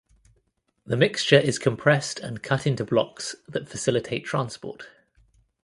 The mixture is compressed and cut into blocks that facilitate transport.